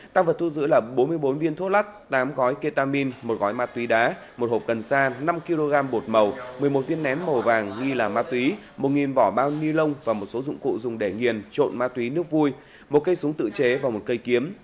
tăng vật thu giữ là bốn mươi bốn viên thuốc lắc tám gói ketamin một gói ma túy đá một hộp cần sa năm kg bột màu một mươi một viên nén màu vàng nghi là ma túy một vỏ bao ni lông và một số dụng cụ dùng để nghiền trộn ma túy nước vui một cây súng tự chế và một cây kiếm